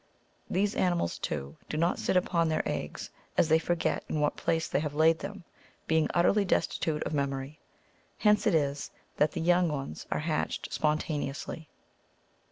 These animals, too, do not sit upon their eggs, as they forget in what place they have laid them, being utterly destitute of memory ; hence it is that the young ones are hatched spontaneously.